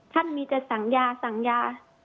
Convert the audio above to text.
ท่านมีแต่สั่งยาสั่งยา